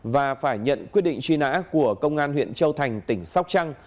và phải nhận quyết định truy nã của công an huyện châu thành tỉnh sóc trăng